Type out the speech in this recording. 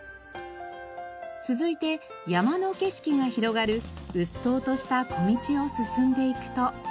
続いて山の景色が広がるうっそうとした小道を進んでいくと。